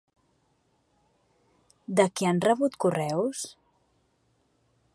De qui han rebut correus?